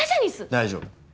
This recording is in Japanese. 大丈夫。